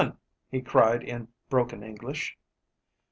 he cried in broken English.